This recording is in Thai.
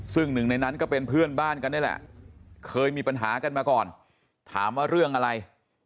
ซึ่งหนึ่งในนั้นก็เป็นเพื่อนบ้านกันนี่แหละเคยมีปัญหากันมาก่อนถามว่าเรื่องอะไร